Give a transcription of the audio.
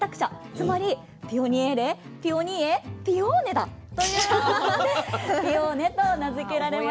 つまりピオニエーレピオニエピオーネだということでピオーネと名付けられました。